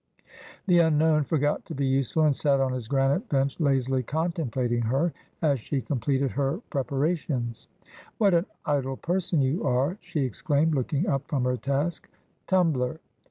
The unknown forgot to be useful, and sat on his granite bench lazily contemplating her as she completed her prepara tions. ' What an idle person you are !' she exclaimed, looking up from her task. 'Tumbler!'